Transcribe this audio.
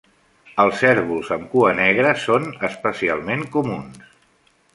Els cérvols amb cua negra són especialment comuns.